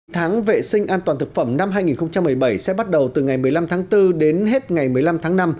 tháng vệ sinh an toàn thực phẩm năm hai nghìn một mươi bảy sẽ bắt đầu từ ngày một mươi năm tháng bốn đến hết ngày một mươi năm tháng năm